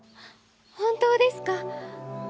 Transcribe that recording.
本当ですか？